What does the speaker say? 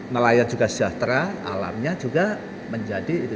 nelayan juga sejahtera alamnya juga menjadi itu